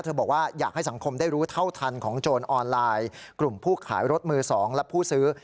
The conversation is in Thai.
บอกว่าอยากให้สังคมได้รู้เท่าทันของโจรออนไลน์กลุ่มผู้ขายรถมือ๒และผู้ซื้อ